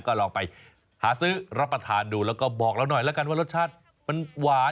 ก็ลองไปหาซื้อรับประทานดูแล้วก็บอกเราหน่อยแล้วกันว่ารสชาติมันหวาน